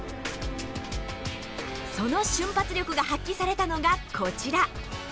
その瞬発力が発揮されたのがこちら。